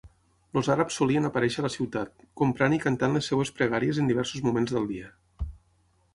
Els àrabs solien aparèixer a la ciutat, comprant i cantant les seves pregàries en diversos moments del dia.